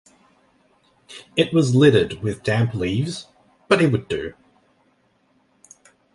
It was littered with damp leaves, but it would do.